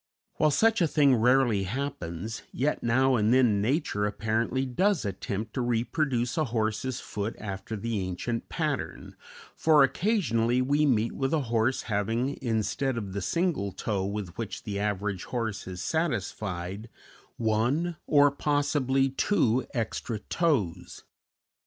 While such a thing rarely happens, yet now and then nature apparently does attempt to reproduce a horse's foot after the ancient pattern, for occasionally we meet with a horse having, instead of the single toe with which the average horse is satisfied, one or possibly two extra toes.